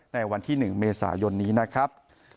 ในวันที่๑เมษายนนี้นะครับ